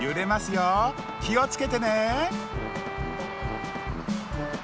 よきをつけてね！